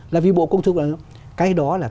là vì bộ công thức định cái đó là